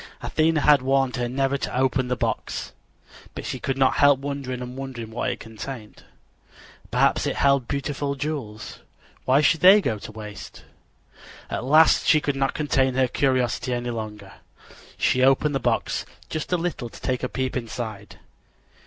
Athena had warned her never to open the box, but she could not help wondering and wondering what it contained. Perhaps it held beautiful jewels. Why should they go to waste? At last she could not contain her curiosity any longer. She opened the box just a little to take a peep inside.